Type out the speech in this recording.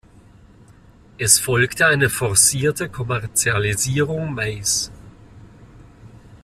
Es folgte eine forcierte Kommerzialisierung Mays.